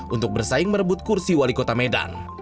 untuk bersaing merebut kursi wali kota medan